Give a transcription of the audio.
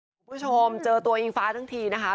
คุณผู้ชมเจอตัวอิงฟ้าทั้งทีนะคะ